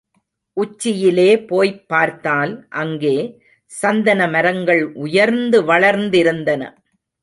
உச்சியிலே போய்ப் பார்த்தால் அங்கே சந்தன மரங்கள் உயர்ந்து வளர்ந்திருந்தன.